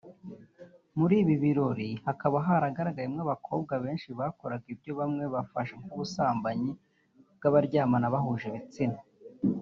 muri ibi birori hakaba haranagaragaye abakobwa benshi bakoraga ibyo bamwe bafashe nk’ubusambanyi bw’abaryamana bahuje ibitsina